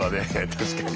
確かに。